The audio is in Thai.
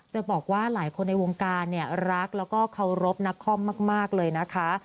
จะบอกว่าหลายคนในวงการเนี่ยรักแล้วก็เคารพนักคอมมากเลยนะคะ